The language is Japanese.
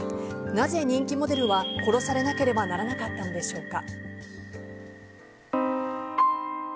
なぜ人気モデルは殺されなければならなかったのでしょうか。